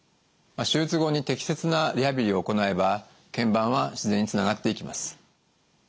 手術後に適切なリハビリを行えば腱板は自然につながっていきます。